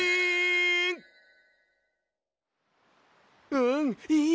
うんいい！